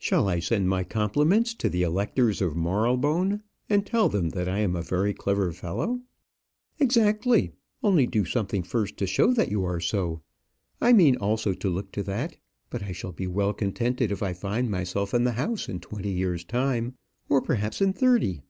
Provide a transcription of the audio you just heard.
Shall I send my compliments to the electors of Marylebone, and tell them that I am a very clever fellow?" "Exactly; only do something first to show that you are so. I mean also to look to that; but I shall be well contented if I find myself in the house in twenty years' time, or perhaps in thirty."